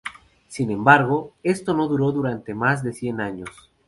Sin embargo, esto no duró durante más de cien años.